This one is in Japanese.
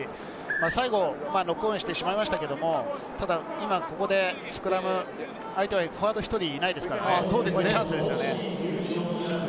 最後、ノックオンしまいましたが、ここでスクラム、相手はフォワードが１人ないですからチャンスです。